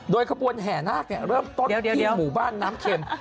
โดยขบวนแห่นาคเริ่มต้นที่หมู่บ้านน้ำเข็ม